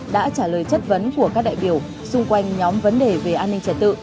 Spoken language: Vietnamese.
đã trả lời chất vấn của các đại biểu xung quanh nhóm vấn đề về an ninh trật tự